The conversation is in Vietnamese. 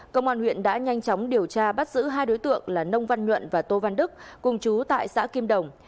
công an huyện đã nhanh chóng điều tra bắt giữ hai đối tượng là nông văn nhuận và tô văn đức cùng chú tại xã kim đồng